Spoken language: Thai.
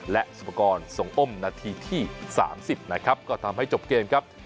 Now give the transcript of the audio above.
และสุปกรณ์ส่งอ้มนาทีที่๓๐นะครับก็ทำให้จบเกมครับ